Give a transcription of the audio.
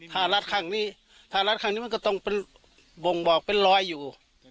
ถ้ารัดข้างนี้ถ้ารัดข้างนี้มันก็ต้องเป็นบ่งบอกเป็นรอยอยู่